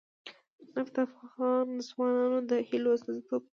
نفت د افغان ځوانانو د هیلو استازیتوب کوي.